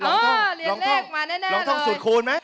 อ๋อเรียนเลขมาแน่เลยลองท่องสูตรคูณไหม